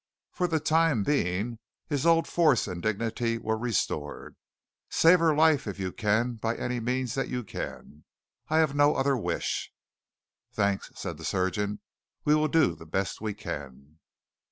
For the time being, his old force and dignity were restored. "Save her life if you can by any means that you can. I have no other wish." "Thanks," said the surgeon. "We will do the best we can."